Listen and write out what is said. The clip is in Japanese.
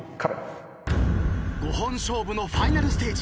５本勝負のファイナルステージ。